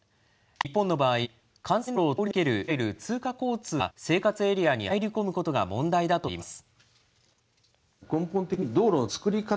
日本の場合、幹線道路を通り抜ける、いわゆる通過交通が生活エリアに入り込むことが問題だといいます。